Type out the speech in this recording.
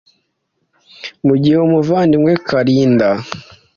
mu gihe umuvandimwe we kalinda